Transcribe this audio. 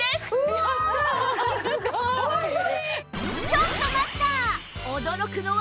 ちょっと待った！